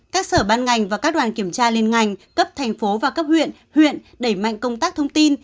các sở ban ngành và các đoàn kiểm tra liên ngành cấp thành phố và cấp huyện huyện đẩy mạnh công tác thông tin